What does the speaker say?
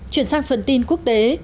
chuyển sang phần tin quốc tế